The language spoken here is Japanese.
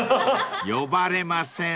［呼ばれません］